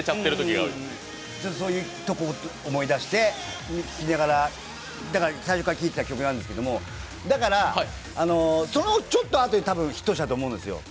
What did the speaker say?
そういうところを思い出しながら最初から聴いてた曲なんですけど、だから、そのちょっと後にヒットしたと思うんですよ。